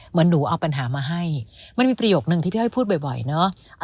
เหมือนหนูเอาปัญหามาให้มันมีประโยคนึงที่พี่อ้อยพูดบ่อยเนอะ